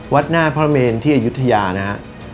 วัดหน้าพระเมนที่อายุทยานะฮะ